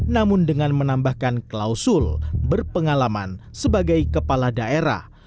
namun dengan menambahkan klausul berpengalaman sebagai kepala daerah